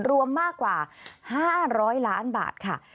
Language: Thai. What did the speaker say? รวมมากกว่า๕๐๐ล้านบาทค่ะ